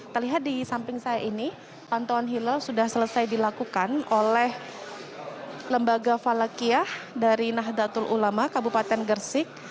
terlihat di samping saya ini pantauan hilal sudah selesai dilakukan oleh lembaga falakiyah dari nahdlatul ulama kabupaten gersik